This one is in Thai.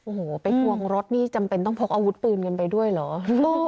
โอ้โหไปทวงรถนี่จำเป็นต้องพกอาวุธปืนกันไปด้วยเหรอ